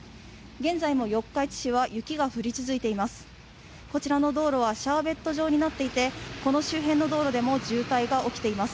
今朝も四日市市は雪が降り続いています。